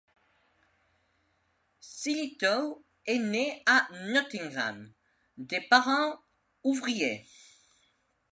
Sillitoe est né à Nottingham, de parents ouvriers.